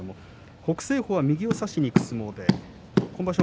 北青鵬は右を差しにいく相撲で今場所